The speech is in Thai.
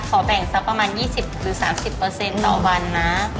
ขอแบ่งสักประมาณ๒๐หรือ๓๐เปอร์เซ็นต์ต่อวันนะ